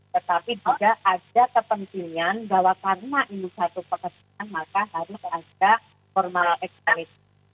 tetapi juga ada kepentingan bahwa karena ini satu pekerjaan maka harus ada formal expanis